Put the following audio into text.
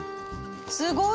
すごい。